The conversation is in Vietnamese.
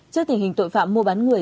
trước tình hình tội phạm mua bán người